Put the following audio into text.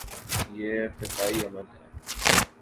یہ ارتقائی عمل ہے۔